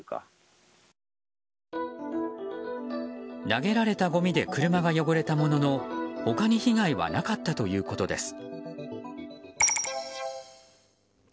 投げられたごみで車が汚れたものの他に被害はなかったということです。